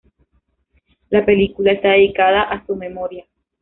La película está dedicada a su memoria.